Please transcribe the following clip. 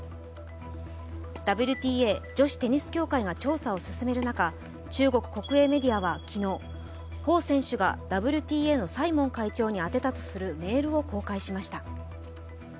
ＷＴＡ＝女子テニス協会が調査を進める中、中国国営メディアは昨日、彭選手がＷＴＡのサイモン会長に宛てたとするメールを公開しました。